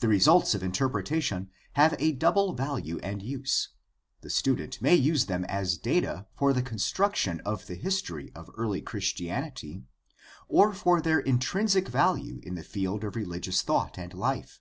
The results of interpretation have a double value and use. The student may use them as data for the construction of the history of early Christianity or for their intrinsic value in the field of religious thought and life.